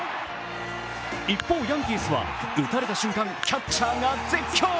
一方、ヤンキースは打たれた瞬間、キャッチャーが絶叫。